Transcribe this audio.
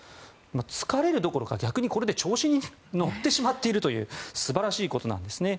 疲れるどころか、逆にこれで調子に乗ってしまっているという素晴らしいことなんですね。